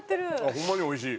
ホンマに美味しい。